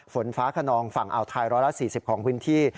ฝนฟ้าขนองฝั่งอ่าวไทย๑๔๐ของพื้นที่